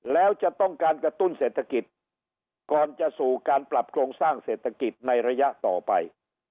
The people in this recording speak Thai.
แล้วจะต้องการกระตุ้นเศรษฐกิจก่อนจะสู่การปรับโครงสร้างเศรษฐกิจในระยะต่อไป